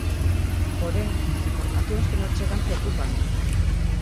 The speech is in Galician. Porén as informacións que nos chegan preocúpannos.